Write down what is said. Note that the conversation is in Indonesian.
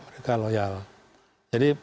mereka loyal jadi